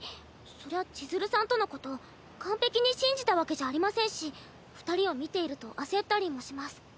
そりゃ千鶴さんとのこと完璧に信じたわけじゃありませんし二人を見ていると焦ったりもします。